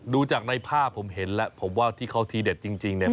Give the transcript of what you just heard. ดูจากในภาพผมเห็นแล้วผมว่าที่เขาทีเด็ดจริงเนี่ย